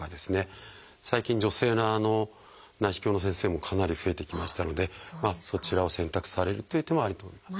最近女性の内視鏡の先生もかなり増えてきましたのでそちらを選択されるという手もあると思います。